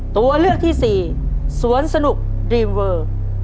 ตัวเลือกที่สี่สวนสนุกดรีมเวอร์